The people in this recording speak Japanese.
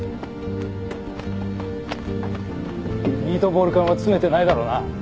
ミートボール缶は詰めてないだろうな。